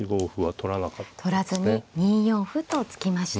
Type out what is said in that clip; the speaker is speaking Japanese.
取らずに２四歩と突きました。